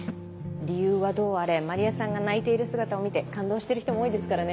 理由はどうあれ万里江さんが泣いている姿を見て感動してる人も多いですからね。